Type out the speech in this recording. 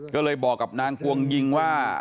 ก็เลยบอกกับนางกวงยิงว่า